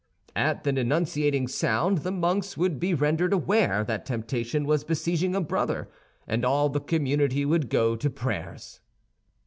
At the denunciating sound, the monks would be rendered aware that temptation was besieging a brother, and all the community would go to prayers.